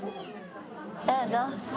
どうぞ。